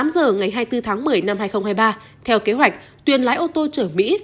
tám giờ ngày hai mươi bốn tháng một mươi năm hai nghìn hai mươi ba theo kế hoạch tuyên lái ô tô chở mỹ